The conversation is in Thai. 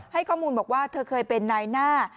ข้อมูลบอกว่าเธอเคยเป็นนายหน้า